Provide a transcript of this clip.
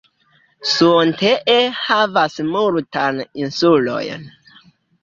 Suontee havas multajn insulojn.